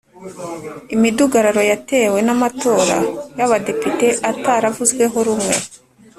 imidugararo yatewe n’amatora y’abadepite ataravuzweho rumwe